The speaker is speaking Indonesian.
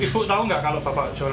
bagaimana cara menjualnya